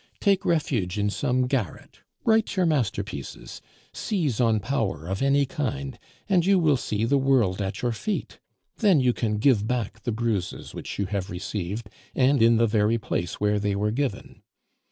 Take refuge in some garret, write your masterpieces, seize on power of any kind, and you will see the world at your feet. Then you can give back the bruises which you have received, and in the very place where they were given.